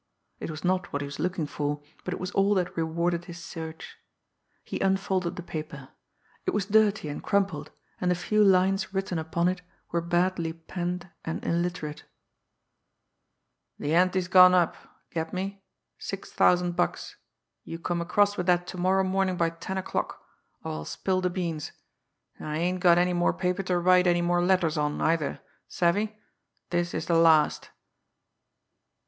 It was not what he was looking for, but it was all that rewarded his search. He unfolded the paper. It was dirty and crumpled, and the few lines written upon it were badly penned and illiterate: The ante's gone up get me? Six thousand bucks. You come across with that to morrow morning by ten o'clock or I'll spill the beans. And I ain't got any more paper to write any more letters on either savvy? This is the last.